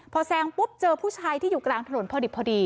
พอแซงปุ๊บเจอผู้ชายที่อยู่กลางถนนพอดี